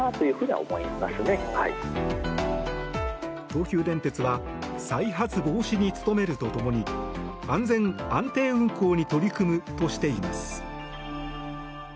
東急電鉄は再発防止に努めると共に安全・安定運行に取り組むとしています。